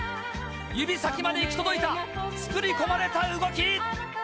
指先まで行き届いた作り込まれた動き！